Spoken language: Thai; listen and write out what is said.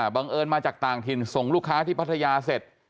บังเอิญมาจากต่างถิ่นส่งลูกค้าที่พัทยาเสร็จ